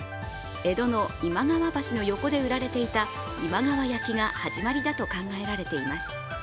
江戸の今川橋の横で売られていた今川焼きが始まりだと考えられています。